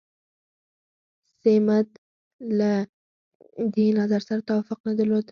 سمیت له دې نظر سره توافق نه درلود.